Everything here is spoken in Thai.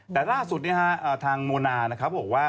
แต่ล่าสุดทางโมนานะครับบอกว่า